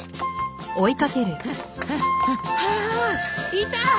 いた！